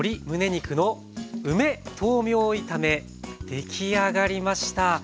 出来上がりました。